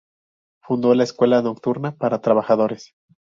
Fundó la Escuela Nocturna para Trabajadores.